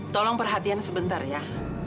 tolong perhatian sebentar ya